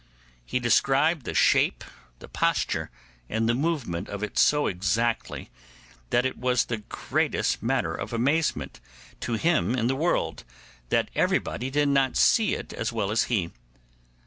He described the shape, the posture, and the movement of it so exactly that it was the greatest matter of amazement to him in the world that everybody did not see it as well as he.